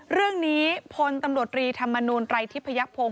เรื่องนี้พลตำรวจรีธรรมนูลไรทิพยพงศ